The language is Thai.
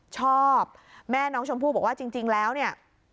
ชอบแม่น้องชมพู่บอกว่าจริงแล้วเนี่ย